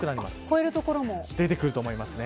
超える所も出てくると思います。